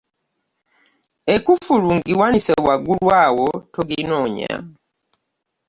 Ekkufulu ngiwanise waggulu awo toginnonya.